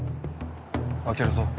開けるぞ。